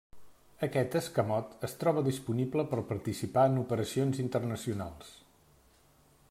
Aquest escamot es troba disponible per participar en operacions internacionals.